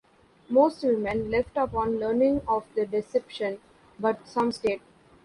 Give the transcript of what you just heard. Most women left upon learning of the deception, but some stayed.